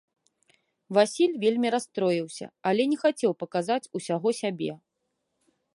Васіль вельмі расстроіўся, але не хацеў паказаць усяго сябе.